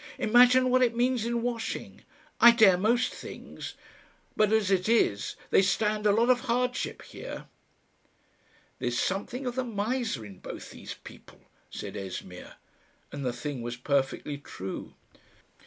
Imagine what it means in washing! I dare most things.... But as it is, they stand a lot of hardship here." "There's something of the miser in both these people," said Esmeer, and the thing was perfectly true.